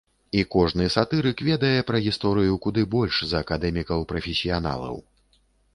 І кожны сатырык ведае пра гісторыю куды больш за акадэмікаў-прафесіяналаў.